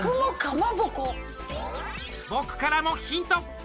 僕からもヒント。